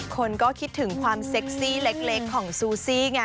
คนก็คิดถึงความเซ็กซี่เล็กของซูซี่ไง